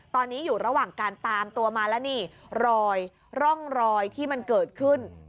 ตอนนี้อยู่ระหว่างการตามตัวมาแล้วนี่รอยร่องรอยที่มันเกิดขึ้น